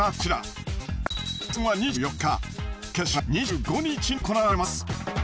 予選は２４日決勝が２５日に行われます。